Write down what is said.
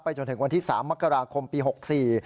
ไปจนถึงวันที่๓มกราคมปี๖๔